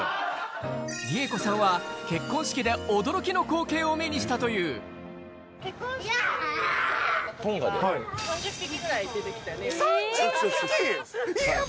理恵子さんは結婚式で驚きの光景を目にしたという３０匹！